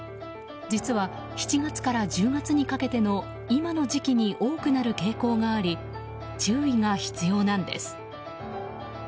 実は、７月から１０月にかけての今の時期に多くなる傾向があり注意が必要なんです。